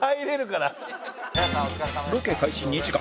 ロケ開始２時間